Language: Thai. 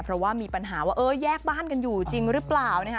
เพราะว่ามีปัญหาว่าเออแยกบ้านกันอยู่จริงหรือเปล่านะคะ